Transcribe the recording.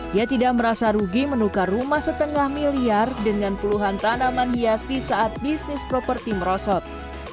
dia tidak merasa rugi menukar rumah setengah miliar dengan puluhan tanaman hias di saat bisnis properti merosot